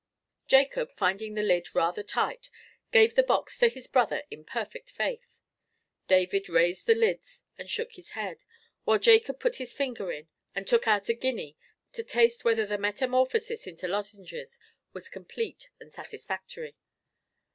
Jacob, finding the lid rather tight, gave the box to his brother in perfect faith. David raised the lids and shook his head, while Jacob put his finger in and took out a guinea to taste whether the metamorphosis into lozenges was complete and satisfactory.